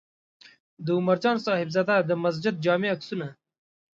د عمر جان صاحبزاده د مسجد جامع عکسونه و.